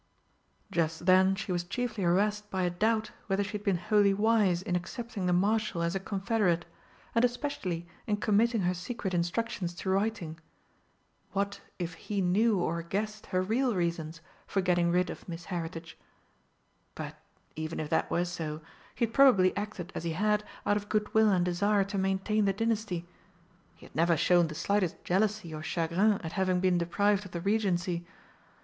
Just then she was chiefly harassed by a doubt whether she had been wholly wise in accepting the Marshal as a confederate, and especially in committing her secret instructions to writing. What if he knew or guessed her real reasons for getting rid of Miss Heritage? But, even if that were so, he had probably acted as he had out of goodwill and desire to maintain the dynasty. He had never shown the slightest jealousy or chagrin at having been deprived of the Regency.